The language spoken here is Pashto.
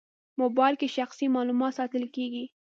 موبایل کې شخصي معلومات ساتل کېږي.